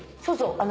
そうそう。